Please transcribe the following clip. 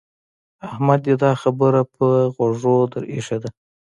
احمد دې دا خبره پر غوږو در اېښې ده.